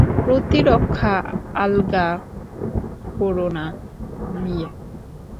প্রতিরক্ষা আলগা কোরো না, মিওয়া!